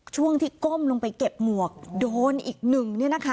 ช่วงที่ก้มลงไปเก็บหมวกโดนอีกหนึ่งเนี่ยนะคะ